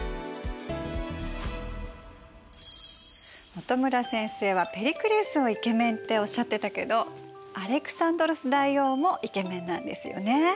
本村先生はペリクレスをイケメンっておっしゃってたけどアレクサンドロス大王もイケメンなんですよね。